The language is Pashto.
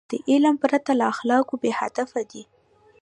علم پرته له اخلاقو بېهدفه دی.